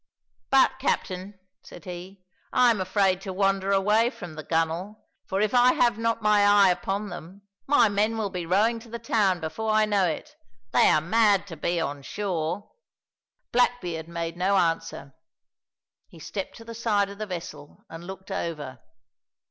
"But, captain," said he, "I am afraid to wander away from the gunwale, for if I have not my eye upon them, my men will be rowing to the town before I know it. They are mad to be on shore." Blackbeard made no answer; he stepped to the side of the vessel and looked over.